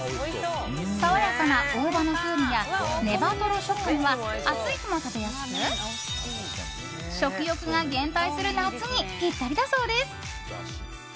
爽やかな大葉の風味やネバトロ食感は暑い日も食べやすく食欲が減退する夏にぴったりだそうです。